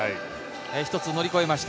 一つ乗り越えました。